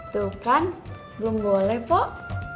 tuh kan belum boleh kok